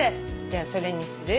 じゃあそれにする？